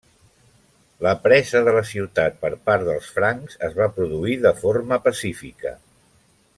La presa de la ciutat per part dels francs es va produir de forma pacífica.